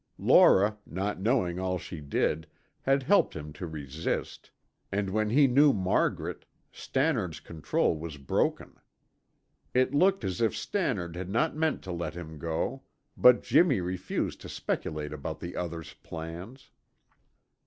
Laura, not knowing all she did, had helped him to resist, and when he knew Margaret, Stannard's control was broken. It looked as if Stannard had not meant to let him go; but Jimmy refused to speculate about the other's plans.